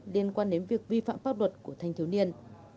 liên quan đến việc vi phạm pháp luật của thanh thiếu niên